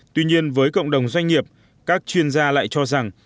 tuy nhiên với cộng đồng doanh nghiệp các chuyên gia lại cho rằng